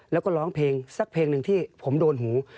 แล้วก็ร้องเพลงสักเพลงหนึ่งที่ผมโดนหู